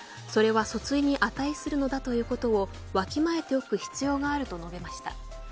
それは訴追に値するのだということをわきまえておく必要があると述べました。